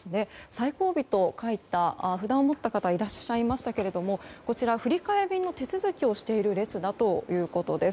最後尾と書いた札を持った方がいらっしゃいましたが振り替え便の手続きをしている列だということです。